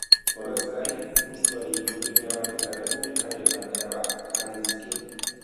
Horrez gain, bustoari ikurrina bat eta errepublikaren bandera bat jarri dizkiote.